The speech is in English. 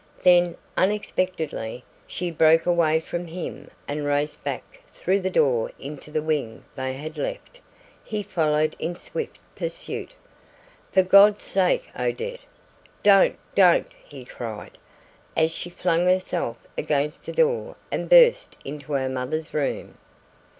Then, unexpectedly, she broke away from him and raced back through the door into the wing they had left. He followed in swift pursuit. "For God's sake, Odette, don't, don't," he cried, as she flung herself against the door and burst into her mother's room.